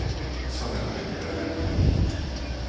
そんなこと言ってられないって。